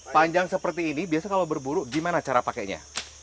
panjang seperti ini biasa kalau berburu gimana cara pakainya